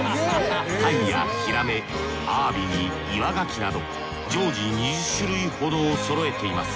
タイやヒラメアワビに岩ガキなど常時２０種類ほどをそろえています。